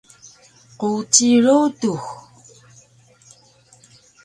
Quci rudux